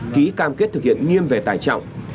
ký cam kết thực hiện nghiêm về tài trọng